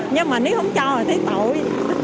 nhưng mà nếu không cho thì thấy tội